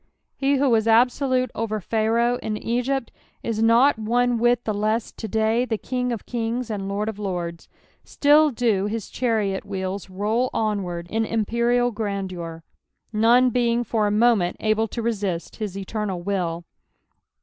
He who was absolute over Pharaoh in E^ypt is not one whit the las to day the Ring of kings and Lord of lords; still do his chariot wheels roll onward in imperial grandeur, none being for a moment able to rcust his eternal will.